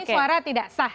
ini suara tidak sah